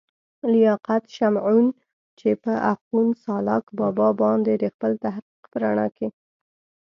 لياقت شمعون، چې پۀ اخون سالاک بابا باندې دَخپل تحقيق پۀ رڼا کښې